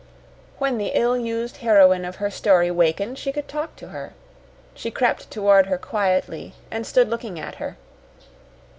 When the ill used heroine of her story wakened, she could talk to her. She crept toward her quietly, and stood looking at her.